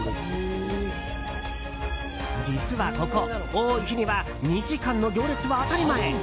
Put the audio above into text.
実はここ、多い日には２時間の行列は当たり前。